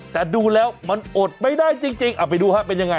แต่ดูแล้วมันอดไม่ได้จริงเอาไปดูฮะเป็นยังไง